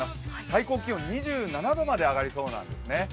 最高気温２７度まで上がりそうなんですね。